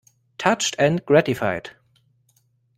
Touched and gratified.